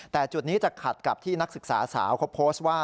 แต่จุดนี้จะขัดกับที่นักศึกษาสาวเขาโพสต์ว่า